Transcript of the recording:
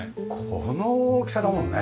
この大きさだもんね。